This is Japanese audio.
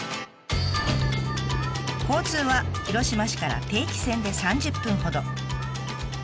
交通は広島市から定期船で３０分ほど。